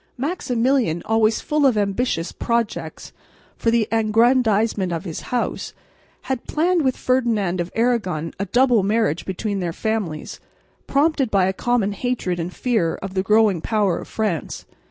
Maximilian, always full of ambitious projects for the aggrandisement of his House, had planned with Ferdinand of Aragon a double marriage between their families, prompted by a common hatred and fear of the growing power of France.